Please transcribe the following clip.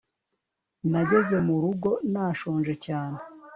Nageze mu rugo nashonje cyane